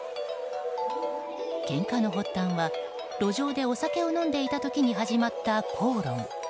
けんかの発端は路上でお酒を飲んでいた時に始まった口論。